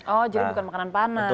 oh jadi bukan makanan panas